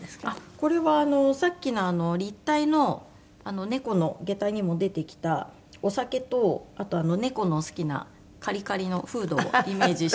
これはあのさっきの立体の猫の下駄にも出てきたお酒と猫の好きなカリカリのフードをイメージして。